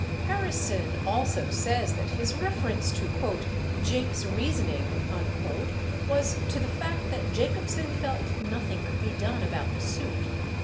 25 Harrison also says that his reference to "Jake's reasoning" was to the fact that Jacobsen felt nothing could be done about the suit.